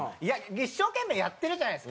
一生懸命やってるじゃないですか。